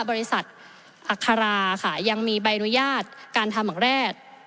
บริษัทอัคราค่ะยังมีใบอนุญาตการทำอย่างแรก